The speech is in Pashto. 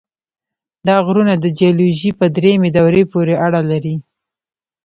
دا غرونه د جیولوژۍ په دریمې دورې پورې اړه لري.